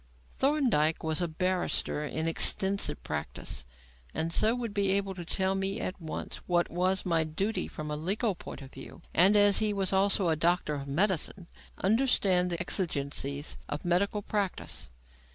Thorndyke was a barrister in extensive practice, and so would be able to tell me at once what was my duty from a legal point of view; and, as he was also a doctor of medicine, he would understand the exigencies of medical practice.